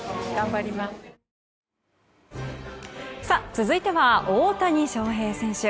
続いては、大谷翔平選手。